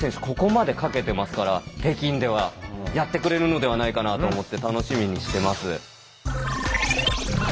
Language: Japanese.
ここまでかけてますから北京ではやってくれるのではないかなと思って楽しみにしてます。